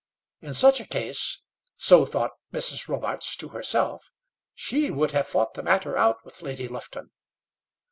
In such a case, so thought Mrs. Robarts to herself, she would have fought the matter out with Lady Lufton.